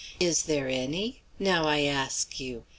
Is there any? Now, I ask you!